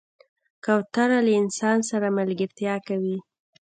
کوتره له انسان سره ملګرتیا کوي.